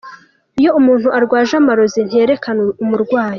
Iyo umuntu arwaje amarozi, ntiyerekana umurwayi.